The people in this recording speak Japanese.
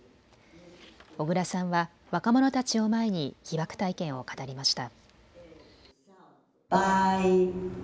小倉さんは若者たちを前に被爆体験を語りました。